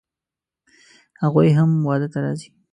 هغوی هم واده ته راځي